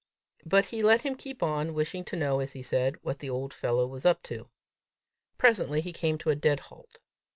But he let him keep on, wishing to know, as he said, what the old fellow was up to. Presently, he came to a dead halt.